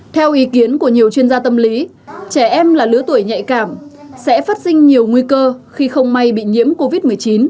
theo ý kiến của nhiều chuyên gia tâm lý trẻ em là lứa tuổi nhạy cảm sẽ phát sinh nhiều nguy cơ khi không may bị nhiễm covid một mươi chín